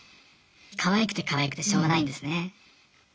かわいくてかわいくてしようがないんですね。